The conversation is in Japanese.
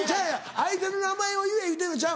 相手の名前を言え言うてんのちゃう。